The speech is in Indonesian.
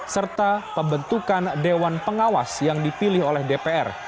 serta pembentukan dewan pengawas yang dipilih oleh dpr